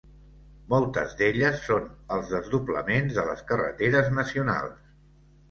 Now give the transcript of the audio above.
Moltes d'elles són els desdoblaments de les carreteres nacionals.